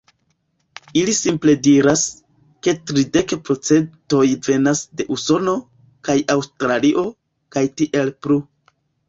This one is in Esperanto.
Ili simple diras, ke tridek procentoj venas de Usono, kaj Aŭstralio, kaj tiel plu.